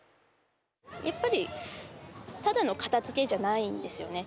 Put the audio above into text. やっぱり、ただの片づけじゃないんですよね。